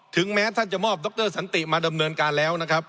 แม้ท่านจะมอบดรสันติมาดำเนินการแล้วนะครับ